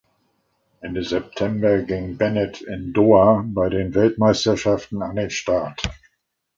Ende September ging Bennett in Doha bei den Weltmeisterschaften an den Start.